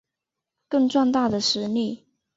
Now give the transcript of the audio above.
更壮大的实力